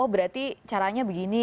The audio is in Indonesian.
oh berarti caranya begini